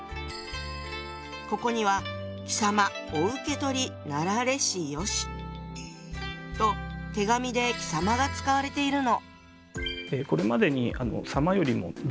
ここには「貴様御受け取りなられしよし」と手紙で「貴様」が使われているの。